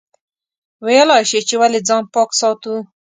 ویلای شئ چې ولې ځان پاک ساتو؟